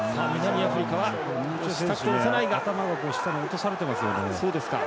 頭が下に落とされてますね。